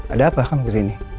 ada apa kamu kesini